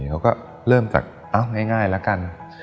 เขาก็เริ่มจากง่ายละกัน